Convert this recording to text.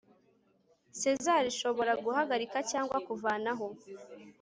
SEZAR ishobora guhagarika cyangwa kuvanaho